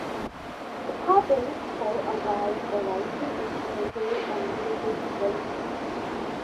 The carvings show a wide variety of imagery and religious symbolism.